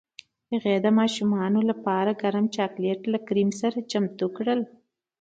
هغې د ماشومانو لپاره ګرم چاکلیټ له کریم سره چمتو کړل